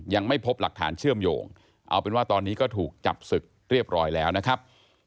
ยังไม่พบหลักฐานเชื่อมโยงเอาเป็นว่าตอนนี้ก็ถูกจับศึกเรียบร้อยแล้วนะครับ